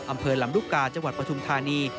อำเภอลำลูกกาจังหวัดปฐุมธานี